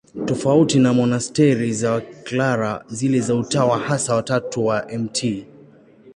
Tofauti na monasteri za Waklara, zile za Utawa Hasa wa Tatu wa Mt.